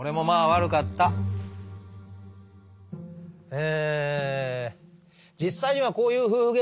え